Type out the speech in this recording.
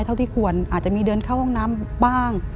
เท่าที่ควรอาจจะมีเดินเข้าห้องน้ำบ้าง